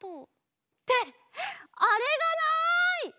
ってあれがない！